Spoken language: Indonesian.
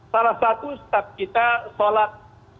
salah satu staff kita sholat